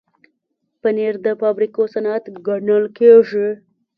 پنېر د فابریکو صنعت ګڼل کېږي.